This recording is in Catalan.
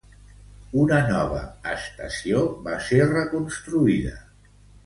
Una nova estació va ser reconstruïda.